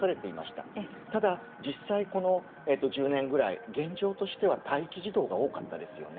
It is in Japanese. ただ実際、この１０年ぐらい現状としては待機児童が多かったですよね。